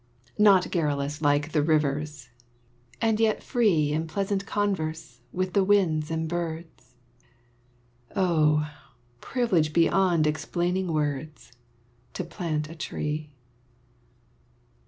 Not garrulous like the rivers; and yet free In pleasant converse with the winds and birds; Oh! privilege beyond explaining words, To plant a tree.